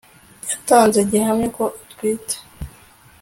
yatanze gihamya ko atwite